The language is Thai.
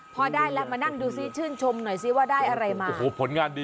พอได้แล้วมานั่งดูซิชื่นชมหน่อยซิว่าได้อะไรมา